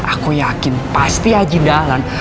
aku yakin pasti haji dahlah